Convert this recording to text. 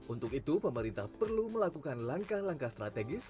untuk itu pemerintah perlu melakukan langkah langkah strategis